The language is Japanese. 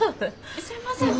すいません。